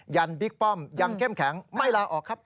ันบิ๊กป้อมยังเข้มแข็งไม่ลาออกครับ